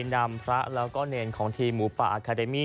นำพระแล้วก็เนรของทีมหมูป่าอาคาเดมี่